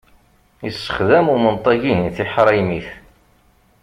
Issexdam umenṭag-ihin tiḥraymit.